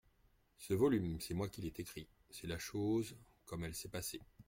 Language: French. Ce volume, c'est moi qui l'ai écrit ; c'est la chose comme elle s'est passée.